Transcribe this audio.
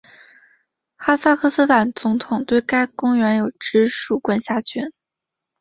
哈萨克斯坦总统对该公园有直属管辖权。